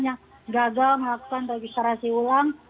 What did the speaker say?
yang gagal melakukan registrasi ulang